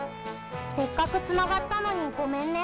「せっかくつながったのにごめんね。